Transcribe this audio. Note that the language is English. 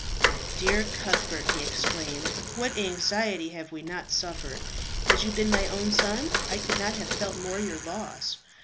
"My dear Cuthbert!" he exclaimed. "What anxiety have we not suffered. Had you been my own son, I could not have felt more your loss.